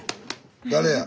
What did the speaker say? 誰や。